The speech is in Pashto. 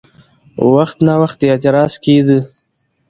وخت ناوخت اعتراض کېده؛